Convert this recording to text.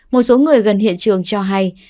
một số người gần hiện trường cho hay